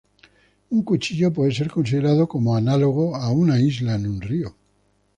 Un cuchillo puede ser considerado como análogo a una isla en un río.